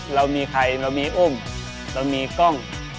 เรามีใครเรามีอุ้มเรามีกล้อง